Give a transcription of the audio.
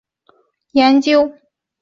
用于生化研究。